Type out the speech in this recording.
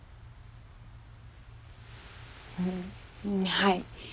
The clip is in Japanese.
はい。